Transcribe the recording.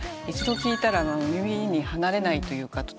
一度聴いたら耳に離れないというか。